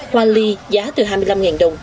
hoa ly giá từ hai mươi năm đồng